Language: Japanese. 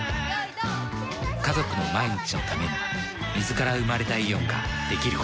家族の毎日のために水から生まれたイオンができること。